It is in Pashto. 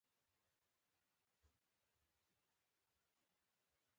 دا تیاره ده